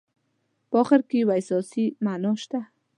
په اخر کې یوه احساسي معنا شته.